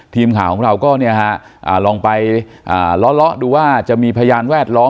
ทีมข่าวของเราก็ลองไปล้อดูว่าจะมีพยานแวดล้อม